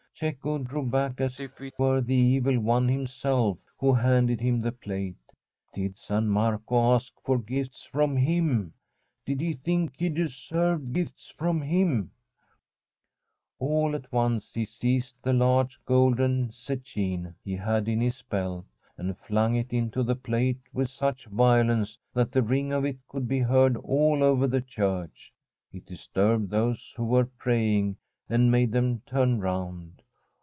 Cecco drew back as if it were the Evil One him self who handed him the plate. Did San Marco ask for gifts from him ? Did he think he deserved gifts from him ? All at once he seized the large golden zecchine he had in his belt, and flung it into the plate with such violence that the ring of it could be heard all over the church. It disturbed those who were praying, and made them turn round.